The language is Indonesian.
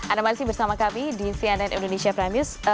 anda masih bersama kami di cnn indonesia prime news